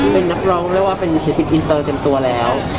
เป็นนักร้องเรียกว่าเป็นศิลปินอินเตอร์เต็มตัวแล้ว